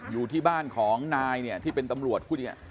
อยู่ที่บ้านของนายเนี่ยที่เป็นตำรวจคู่นี้